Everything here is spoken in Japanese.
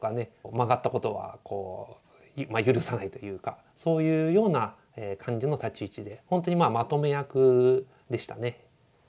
曲がったことは許さないというかそういうような感じの立ち位置で本当にまとめ役でしたね。